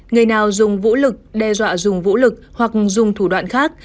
người nào dùng vũ lực đe dọa dùng vũ lực hoặc dùng thủ đoạn khác